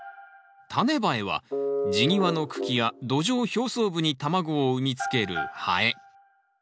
タネバエは地際の茎や土壌表層部に卵を産みつけるハエ。